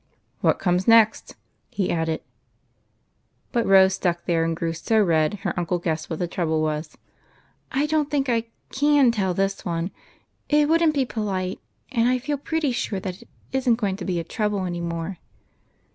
What comes next ?" But Rose stuck there, and grew so red, her uucIq guessed what that trouble was. "I don't think I cayi tell this one. It wouldn't be polite, and I feel pretty sure that it is n't going to be a trouble any more."